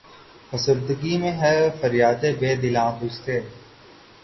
فسردگی میں ہے فریادِ بے دلاں تجھ سے